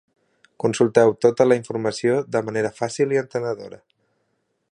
Consulteu tota la informació de manera fàcil i entenedora.